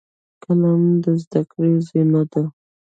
قلم د زده کړې زینه ده